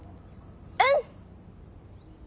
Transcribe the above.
うん！